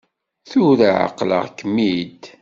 Tura ɛeqleɣ-kem-id.